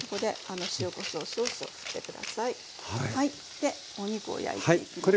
でお肉を焼いていきましょう。